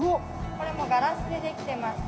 これもガラスでできてます。